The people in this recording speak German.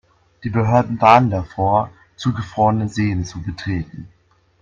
Die Behörden warnen davor, zugefrorene Seen zu betreten.